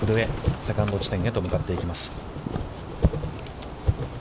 セカンド地点へと向かっていきます。